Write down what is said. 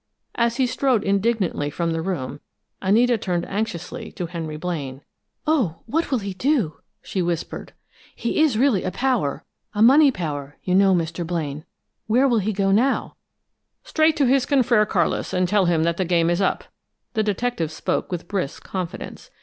As he strode indignantly from the room, Anita turned anxiously to Henry Blaine. "Oh, what will he do?" she whispered. "He is really a power, a money power, you know, Mr. Blaine! Where will he go now?" "Straight to his confrère Carlis, and tell him that the game is up." The detective spoke with brisk confidence.